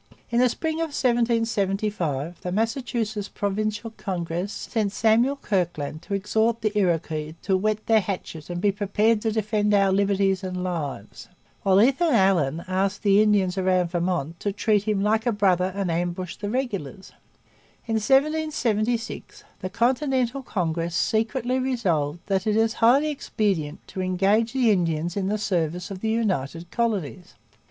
In the spring of 1775 the Massachusetts Provincial Congress sent Samuel Kirkland to exhort the Iroquois 'to whet their hatchet and be prepared to defend our liberties and lives'; while Ethan Allen asked the Indians round Vermont to treat him 'like a brother and ambush the regulars.' In 1776 the Continental Congress secretly resolved 'that it is highly expedient to engage the Indians in the service of the United Colonies.'